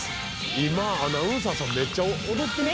今アナウンサーさんめっちゃ踊ってますよね。